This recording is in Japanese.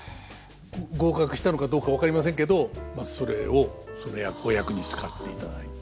合格したのかどうか分かりませんけどそれをそのお役に使っていただいて。